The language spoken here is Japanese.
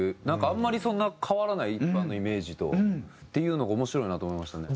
あんまりそんな変わらない一般のイメージと。っていうのが面白いなと思いましたね。